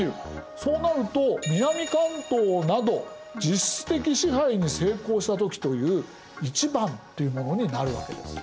そうなると「南関東など実質的支配に成功したとき」という①というものになるわけです。